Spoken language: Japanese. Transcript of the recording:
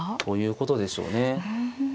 ということでしょうね。